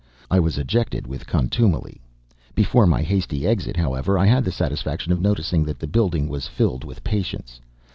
I was ejected with contumely. Before my hasty exit, however, I had the satisfaction of noticing that the building was filled with patients.